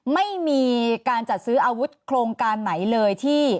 ไม่มีการจัดซื้ออาวุธโครงการไหนเลยที่